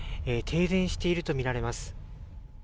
停電していると見られます。